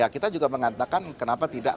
kita juga mengatakan kenapa tidak